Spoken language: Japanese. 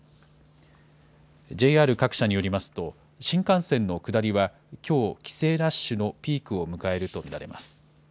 ＪＲ各社によりますと、新幹線の下りは、きょう帰省ラッシュのピークを迎えると見られます。